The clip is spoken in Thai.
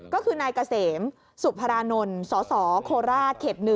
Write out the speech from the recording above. ก็คือนายเกษมสุพรานนท์สสโคราชเขต๑